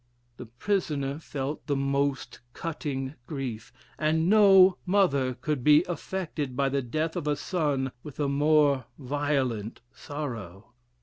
The prisoner felt the most cutting grief, and no mother could be affected by the death of a son with a more violent sorrow.